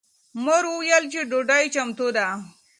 مور وویل چې ډوډۍ چمتو ده.